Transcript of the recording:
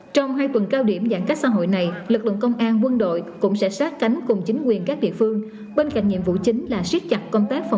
trong hai tuần cao điểm giãn cách xã hội này lực lượng công an quân đội cũng sẽ sát cánh cùng chính quyền các địa phương bên cạnh nhiệm vụ chính là sát cánh